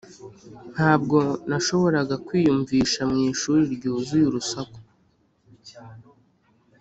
ntabwo nashoboraga kwiyumvisha mu ishuri ryuzuye urusaku.